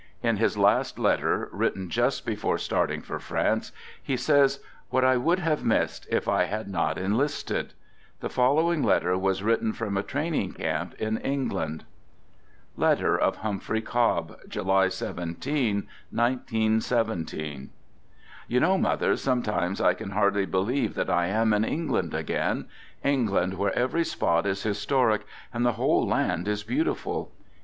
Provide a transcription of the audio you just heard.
In his last letter, written just before starting for France, he says: " What I would have missed, if I had not enlisted ! 99 The following letter was written from a training camp in England : 140 Digitized by THE GOOD SOLDIER " 141 {Letter of Humphrey Cobb) July 17, 1917. ... You know, mother, sometimes I can hardly believe that I am in England again ; England where every spot is historic and the whole land is beautiful.